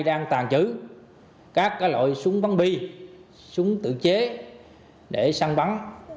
đang tàn trữ các loại súng bắn bi súng tự chế để săn bắn